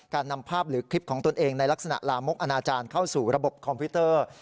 นำภาพหรือคลิปของตนเองในลักษณะลามกอนาจารย์เข้าสู่ระบบคอมพิวเตอร์